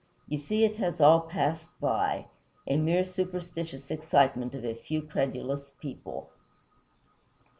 You see it has all passed by a mere superstitious excitement of a few credulous people."